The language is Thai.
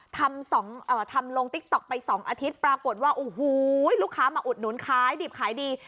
ทำลงติ๊กต๊อกไป๒อาทิตย์ปรากฏว่าโอ้โหลูกค้ามาอุดหนุนขายดิบขายดี